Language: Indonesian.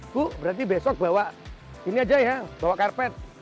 bu berarti besok bawa ini aja ya bawa karpet